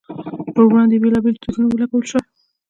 پر وړاندې یې بېلابېل تورونه ولګول شول.